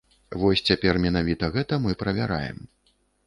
Вось цяпер менавіта гэта мы правяраем.